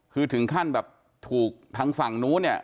คือถึงขั้นถูกทางฝั่งเนาะเนี่ย